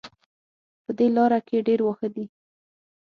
په دې لاره کې ډېر واښه دي